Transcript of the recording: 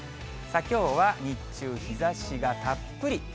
きょうは日中、日ざしがたっぷり。